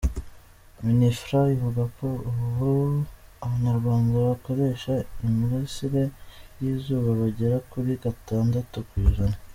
Mininfra ivuga ko ubu Abanyarwanda bakoresha imirasire y’izuba bagera kuri gatandatu ku ijana.